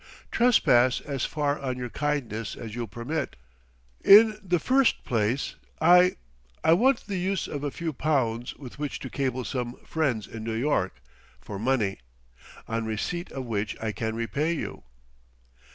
"Trespass as far on your kindness as you'll permit. In the first place, I I want the use of a few pounds with which to cable some friends in New York, for money; on receipt of which I can repay you."